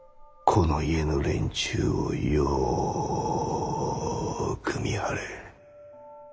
この家の連中をよく見張れ。